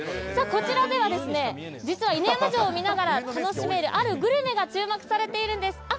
こちらでは、実は犬山城を見ながら楽しめる、あるグルメが注目されているんです。